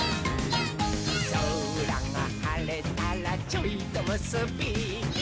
「そらがはれたらちょいとむすび」